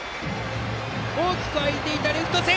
大きく空いていたレフト線！